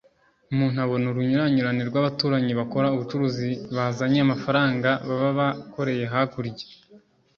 umuntu abona urunyuranyurane rw’abaturanyi bakora ubucuruzi bazanye amafaranga baba bakoreye hakurya